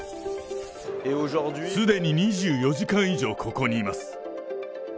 すでに２４時間以上ここにいます。